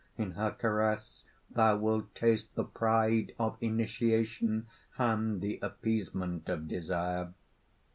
In her caress thou wilt taste the pride of initiation and the appeasement of desire.